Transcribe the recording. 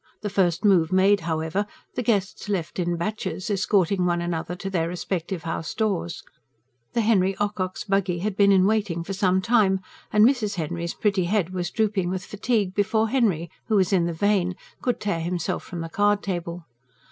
The first move made, however, the guests left in batches, escorting one another to their respective house doors. The Henry Ococks' buggy had been in waiting for some time, and Mrs. Henry's pretty head was drooping with fatigue before Henry, who was in the vein, could tear himself from the card table.